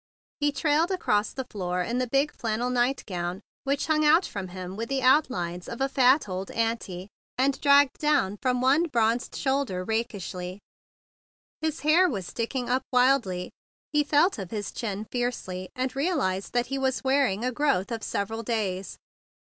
He trailed across the room in the big 94 THE BIG BLUE SOLDIER flannel nightgown that hung out from him with the outlines of a fat old auntie and dragged down from one bronzed shoulder rakishly. His hair was stick¬ ing up wildly, and he felt of his chin fiercely, and realized that he was wear¬ ing a growth of several days.